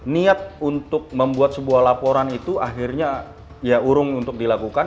niat untuk membuat sebuah laporan itu akhirnya ya urung untuk dilakukan